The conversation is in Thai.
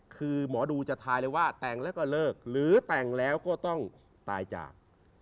คือหมอดูจะทายเลยว่าแต่งแล้วก็เลิกหรือแต่งแล้วก็ต้องตายจาก